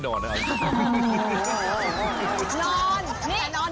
ก็นอนน้อย